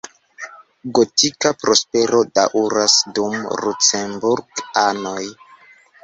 Gotika prospero daŭras dum Lucemburk-anoj.